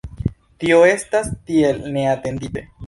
Tio estas tiel neatendite.